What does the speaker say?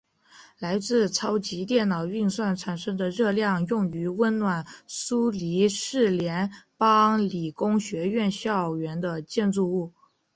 来自超级电脑运算产生的热量用于温暖苏黎世联邦理工学院校园的建筑物。